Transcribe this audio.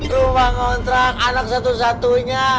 rumah ngontrak anak satu satunya